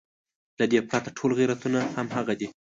له دې پرته ټول غیرتونه همغه دي.